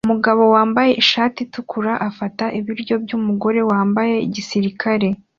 Umugabo wambaye ishati itukura afata ibiryo byumugore wambaye gisirikare